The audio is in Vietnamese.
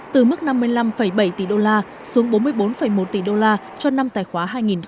từ mức năm mươi năm bảy tỷ đô la xuống bốn mươi bốn một tỷ đô la cho năm tài khoá hai nghìn hai mươi